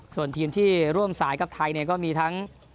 ส่วนทีมที่ร่วมสายกับไทยเนี่ยก็มีทั้ง